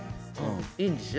いいんですよ